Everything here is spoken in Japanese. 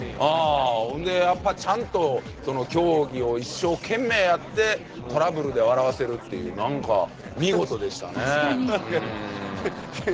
ほんでちゃんと競技を一生懸命やってトラブルで笑わせるっていう何か見事でしたね